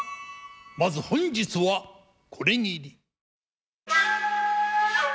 まず本日はこれぎり。